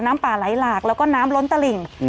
น้ำป่าไหลหลากแล้วก็น้ำล้นตลิ่ง